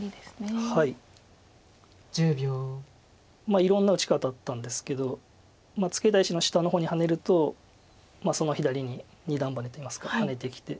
いろんな打ち方あったんですけどツケた石の下の方にハネるとその左に二段バネといいますかハネてきて。